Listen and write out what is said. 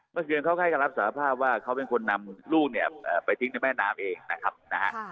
เมื่อคืนเขาให้การรับสารภาพว่าเขาเป็นคนนำลูกเนี่ยไปทิ้งในแม่น้ำเองนะครับนะฮะ